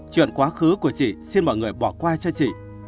chuyện quá khứ của chị xin mọi người bỏ qua cho chị